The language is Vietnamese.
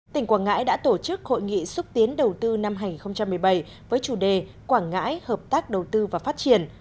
tỉnh quảng ngãi đã tổ chức hội nghị xúc tiến đầu tư năm hai nghìn một mươi bảy với chủ đề quảng ngãi hợp tác đầu tư và phát triển